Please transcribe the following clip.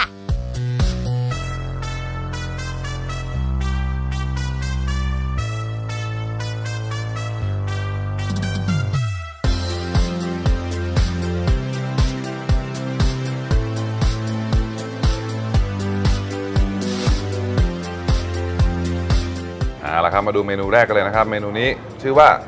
เอาล่ะครับมาดูเมนูแรกกันเลยนะครับเมนูนี้ชื่อว่า